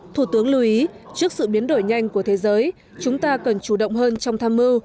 thủ tướng lưu ý trước sự biến đổi nhanh của thế giới chúng ta cần chủ động hơn trong tham mưu